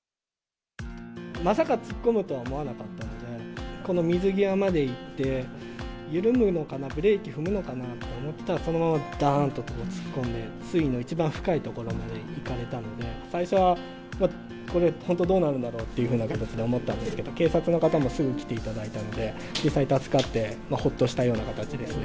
まさか突っ込むとは思わなかったので、この水際まで行って、緩むのかな、ブレーキ踏むのかなと思ったら、そのままだーんと突っ込んで、水位の一番深い所まで行かれたので、最初は、これ、本当どうなるんだろうっていう気持ちで思ったんですけど、警察の方もすぐ来ていただいたんで、実際助かって、ほっとしたような形ですね。